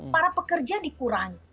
para pekerja dikurangi